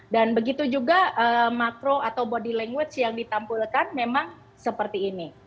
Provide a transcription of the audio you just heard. dan begitu juga makro atau body language yang ditampulkan memang seperti ini